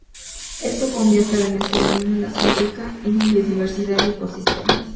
Esto convierte a Venezuela en una nación rica en biodiversidad y ecosistemas.